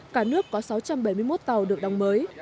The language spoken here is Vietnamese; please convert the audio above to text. cả nước có sáu trăm bảy mươi một tàu được đóng mới